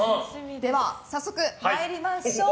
では早速参りましょう。